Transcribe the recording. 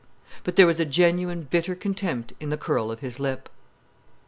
But there was a genuine bitter contempt in the curl of his lip.